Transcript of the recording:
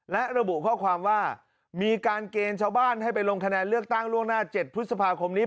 และระบุข้อความว่ามีการเกณฑ์ชาวบ้านให้ไปลงคะแนนเลือกตั้งล่วงหน้า๗พฤษภาคมนี้